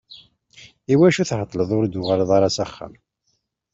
Iwacu tεeṭṭleḍ ur d-tuɣaleḍ ara ɣer uxxam?